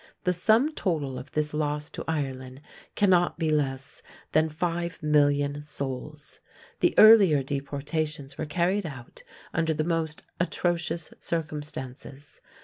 The sum total of this loss to Ireland cannot be less than 5,000,000 souls. The earlier deportations were carried out under the most atrocious circumstances.